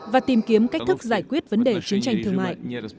và tìm kiếm cách thức giải quyết vấn đề chiến tranh thương mại